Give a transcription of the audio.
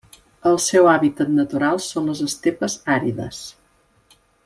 El seu hàbitat natural són les estepes àrides.